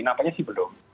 kenapa sih belum